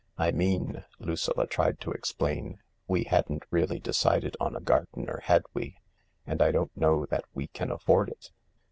"I mean," Lucilla tried to explain, "we hadn't really decided on a gardener, had we ? And I don't know that we can afford it."